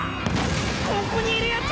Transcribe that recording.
・ここにいるヤツ